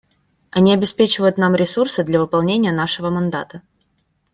Они обеспечивают нам ресурсы для выполнения нашего мандата.